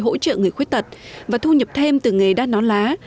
hội hỗ trợ người khuếch tật và thu nhập thêm từ nghề đắt nón lá